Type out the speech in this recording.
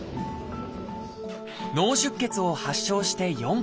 脳出血を発症して４か月。